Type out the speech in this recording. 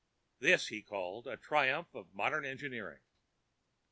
This he called a triumph of modern engineering!